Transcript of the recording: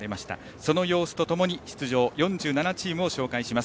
その様子と共に出場４７チームを紹介します。